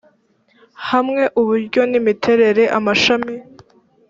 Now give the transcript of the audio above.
hamwe uburyo n imiterere amashami